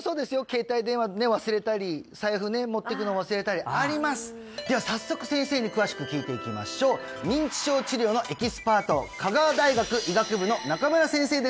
携帯電話ね忘れたり財布ね持って行くの忘れたりありますでは早速先生に詳しく聞いていきましょう認知症治療のエキスパート香川大学医学部の中村先生です